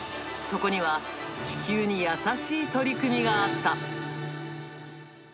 そこには地球に優しい取り組みがあった。